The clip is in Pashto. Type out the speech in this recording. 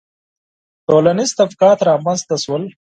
• ټولنیز طبقات رامنځته شول